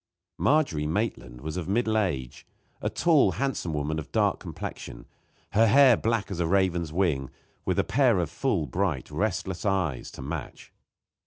Margery Maitland was of middle age; a tall, handsome woman of dark complexion, her hair black as a raven's wing, with a pair of full, bright, restless eyes to match.